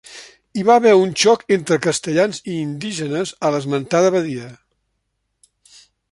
Hi va haver un xoc entre castellans i indígenes a l'esmentada badia.